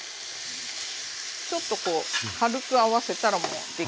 ちょっとこう軽く合わせたらもう出来上がりです。